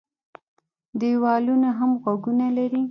ـ دېوالونو هم غوږونه لري.